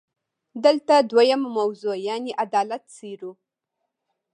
دلته دویمه موضوع یعنې عدالت څېړو.